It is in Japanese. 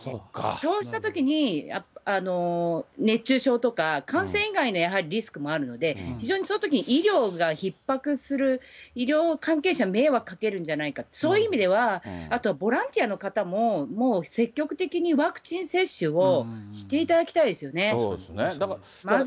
そうしたときに、熱中症とか感染以外のやはりリスクもあるので、非常にそのときに医療がひっ迫する、医療関係者に迷惑かけるんじゃないか、そういう意味では、あとはボランティアの方も、もう積極的にワクチン接種をしていただきたいですよね。